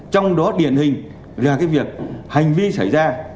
trong đó điển hình là cái việc hành vi xảy ra